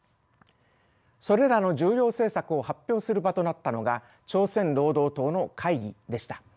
それらの重要政策を発表する場となったのが朝鮮労働党の会議でした。